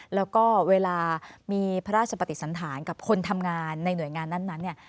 แล้วก็เวลามีพระราชปฏิสันธารกับคนทำงานในหน่วยงานนั้นเนี่ย